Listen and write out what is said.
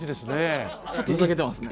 ちょっとふざけてますね。